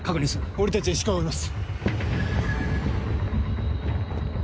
俺たちは石川を追います。